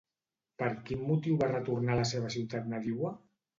Per quin motiu va retornar a la seva ciutat nadiua?